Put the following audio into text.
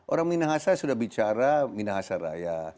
orang minahasa sudah bicara minahasaraya